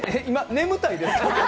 今、眠たいですか？